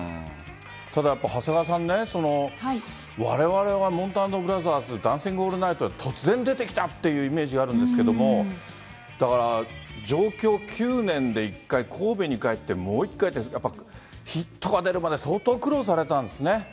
ただやっぱ長谷川さんね、われわれはもんた＆ブラザーズ、ダンシング・オールナイトで突然出てきたっていうイメージがあるんですけれども、だから上京９年で１回、神戸に帰って、もう１回って、ヒットが出るまでって、相当苦労されたんですね。